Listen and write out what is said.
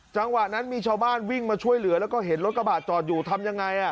จังหวะนั้นมีชาวบ้านวิ่งมาช่วยเหลือแล้วก็เห็นรถกระบาดจอดอยู่ทำยังไง